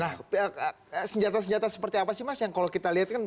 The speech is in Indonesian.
nah senjata senjata seperti apa sih mas yang kalau kita lihat kan